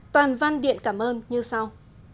toàn văn điện cảm ơn như sau